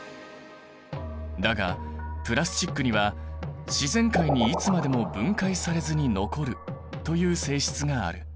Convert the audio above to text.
だがプラスチックには自然界にいつまでも分解されずに残るという性質がある。